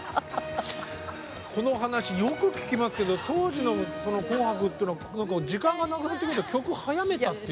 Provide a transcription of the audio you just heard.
このお話よく聞きますけど当時の「紅白」っていうのは時間がなくなってくると曲早めたっていう。